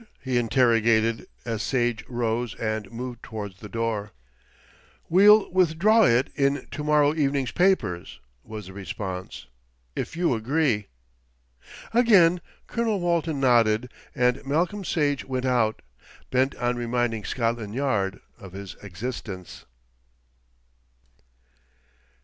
he interrogated, as Sage rose and moved towards the door. "We'll withdraw it in to morrow evening's papers," was the response, "if you agree." Again Colonel Walton nodded, and Malcolm Sage went out, bent on reminding Scotland Yard of his existence.